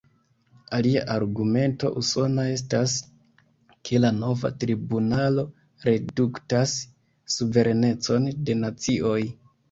Alia argumento usona estas, ke la nova tribunalo reduktas suverenecon de nacioj.